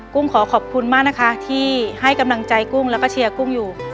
ขอขอบคุณมากนะคะที่ให้กำลังใจกุ้งแล้วก็เชียร์กุ้งอยู่